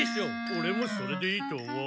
オレもそれでいいと思う。